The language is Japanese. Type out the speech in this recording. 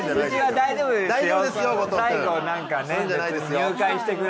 大丈夫です全然。